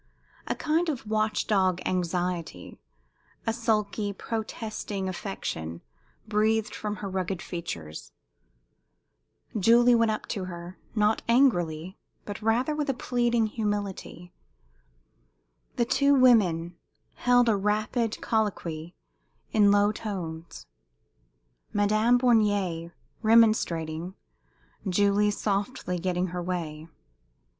A kind of watch dog anxiety, a sulky, protesting affection breathed from her rugged features. Julie went up to her, not angrily, but rather with a pleading humility. The two women held a rapid colloquy in low tones Madame Bornier remonstrating, Julie softly getting her way.